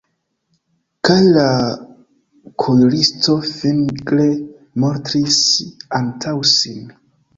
Kaj la kuiristo fingre montris antaŭ sin.